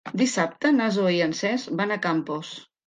Dissabte na Zoè i en Cesc van a Campos.